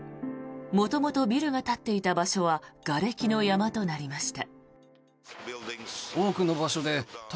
元々ビルが立っていた場所はがれきの山となりました。